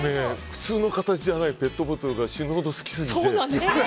普通の形じゃないペットボトルが死ぬほど好きすぎて。